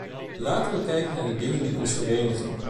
Laten we kijken naar de dingen die ons verenigen.